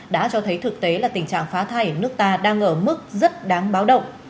đã cho thấy thực tế là tình trạng phá thai ở nước ta đang ở mức rất đáng báo động